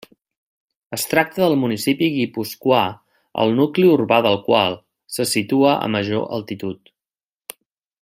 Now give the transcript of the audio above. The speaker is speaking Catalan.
Es tracta del municipi guipuscoà el nucli urbà del qual se situa a major altitud.